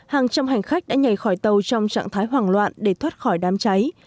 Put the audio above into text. hàng trăm hành khách đã nhảy khỏi tàu trong trạng thái hoảng loạn để thoát khỏi đám cháy